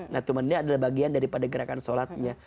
nah tumma nina adalah bagian daripada gerakan sholatnya